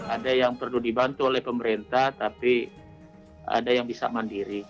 ada yang perlu dibantu oleh pemerintah tapi ada yang bisa mandiri